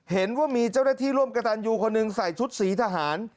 เห็นว่ามีเจ้าหน้าที่ร่วมกระตันยูคนหนึ่งใส่ชุดสีทหาร